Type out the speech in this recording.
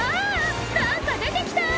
何か出て来た！